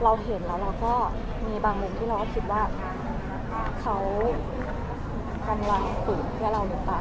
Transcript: เราเห็นแล้วเราก็มีบางมุมที่เราก็คิดว่าเขากำลังวางปืนเพื่อเราหรือเปล่า